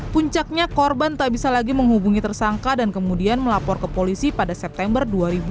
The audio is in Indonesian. puncaknya korban tak bisa lagi menghubungi tersangka dan kemudian melapor ke polisi pada september dua ribu dua puluh